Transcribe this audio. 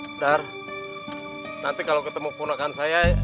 badar nanti kalo ketemu keponakan saya